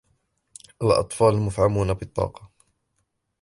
الأطفالُ مفعمونَ بالطاقة.